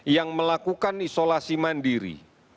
yang melakukan isolasi mandiri